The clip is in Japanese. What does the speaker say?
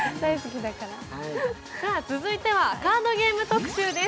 続いてはカードゲーム特集です。